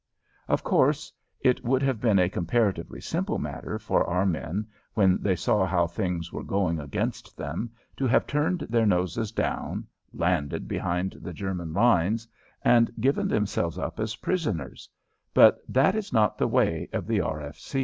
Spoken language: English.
Of course it would have been a comparatively simple matter for our men, when they saw how things were going against them, to have turned their noses down, landed behind the German lines, and given themselves up as prisoners, but that is not the way of the R.